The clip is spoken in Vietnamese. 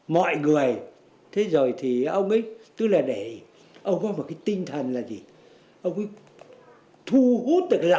một ý tưởng của cách mạng của ta